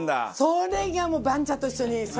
それがもう番茶と一緒に。